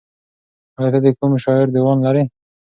ایا ته د کوم شاعر دیوان لرې؟